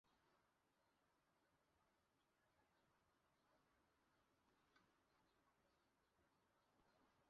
朱高炽遣人驰谕立即发廪赈贷。